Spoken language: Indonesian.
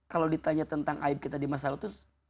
kalau ditanya tentang aib kita di masa lalu itu